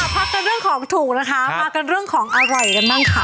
พักกันเรื่องของถูกนะคะมากันเรื่องของอร่อยกันบ้างค่ะ